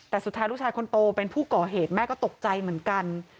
แต่สุดท้ายลูกชายคนโตเป็นผู้ก่อเหตุแม่ก็ตกใจเหมือนกัน